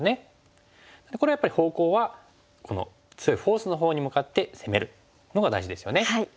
これはやっぱり方向はこの強いフォースのほうに向かって攻めるのが大事ですよね。